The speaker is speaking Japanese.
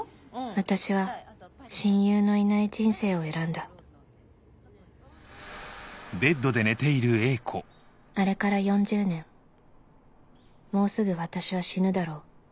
私は親友のいない人生を選んだあれから４０年もうすぐ私は死ぬだろう